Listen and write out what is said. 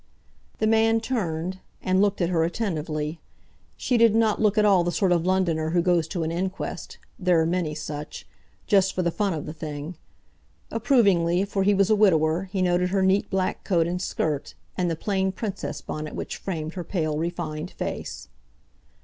The man turned and, looked at her attentively. She did not look at all the sort of Londoner who goes to an inquest—there are many such—just for the fun of the thing. Approvingly, for he was a widower, he noted her neat black coat and skirt; and the plain Princess bonnet which framed her pale, refined face.